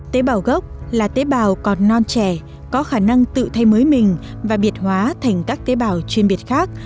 tế bào gốc là tế bào còn non trẻ có khả năng tự thay mới mình và biệt hóa thành các tế bào chuyên biệt khác